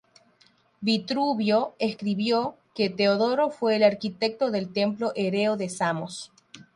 Vitrubio escribió que Teodoro fue el arquitecto del templo Hereo de Samos.